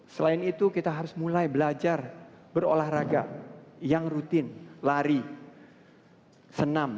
selain itu kita harus mulai belajar berolahraga yang rutin lari senam